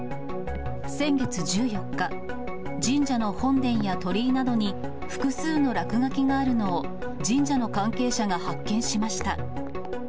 先月１４日、神社の本殿や鳥居などに複数の落書きがあるのを、神社の関係者が発見しました。